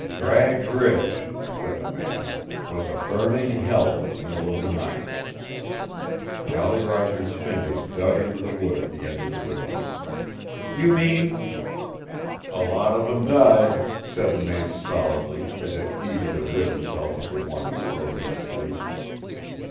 "Cragg's Ridge," said the man, "was a burning hell in the middle of the night." Jolly Roger's fingers dug into the wood at the edge of the door. "You mean " "A lot of 'em died," said the man stolidly, as if eager to rid himself of the one who had broken his sleep.